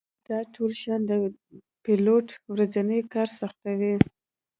دا ټول شیان د پیلوټ ورځنی کار سختوي